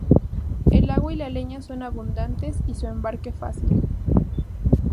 El agua y la leña son abundantes y su embarque fácil.